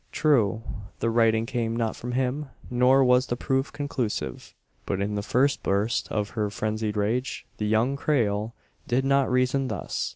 True, the writing came not from him; nor was the proof conclusive. But in the first burst of her frenzied rage, the young Creole did not reason thus.